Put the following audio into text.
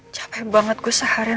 capek banget gua seharian